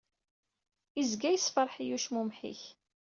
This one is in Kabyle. Izga yessefreḥ-iyi ucmumeḥ-ik.